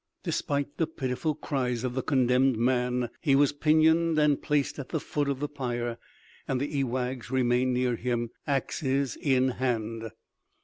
Despite the pitiful cries of the condemned man, he was pinioned and placed at the foot of the pyre, and the ewaghs remained near him, axes in hand.